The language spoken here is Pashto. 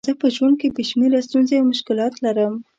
زه په ژوند کې بې شمېره ستونزې او مشکلات لرم.